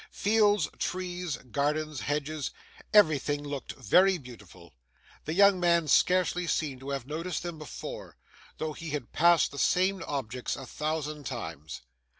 Fields, trees, gardens, hedges, everything looked very beautiful; the young man scarcely seemed to have noticed them before, though he had passed the same objects a thousand times.